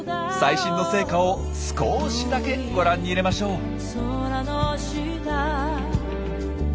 最新の成果を少しだけご覧にいれましょう。